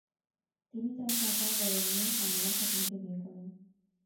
তিনি তার চাচার বড় মেয়ে জামিলা খাতুনকে বিয়ে করেন।